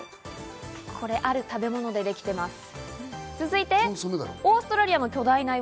ある食べ物でできています。